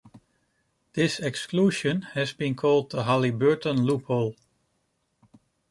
This exclusion has been called the "Halliburton Loophole".